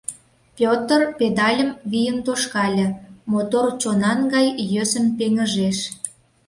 Пётр педальым вийын тошкале, мотор чонан гай йӧсын пеҥыжеш.